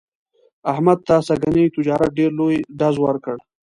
احمد ته سږني تجارت ډېر لوی ډز ور کړ.